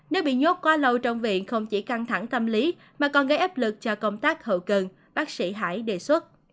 nếu bị nhốt quá lâu trong viện không chỉ căng thẳng tâm lý mà còn gây áp lực cho công tác hậu cần bác sĩ hải đề xuất